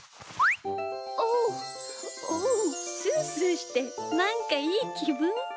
おっおうスースーしてなんかいいきぶん。